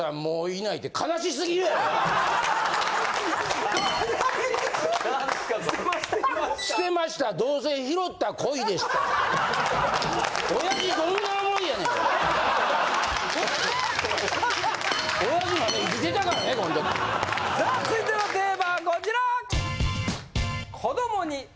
続いてのテーマはこちら！